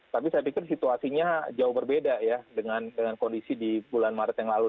tapi saya pikir situasinya jauh berbeda ya dengan kondisi di bulan maret yang lalu